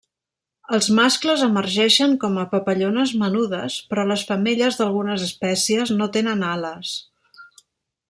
Els mascles emergeixen com a papallones menudes, però les femelles d'algunes espècies no tenen ales.